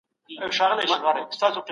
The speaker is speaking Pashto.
هیڅوک باید له حقوقو بې برخي نه سي.